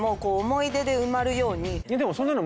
でもそんなの。